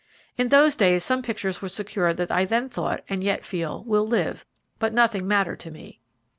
In those days some pictures were secured that I then thought, and yet feel, will live, but nothing mattered to me.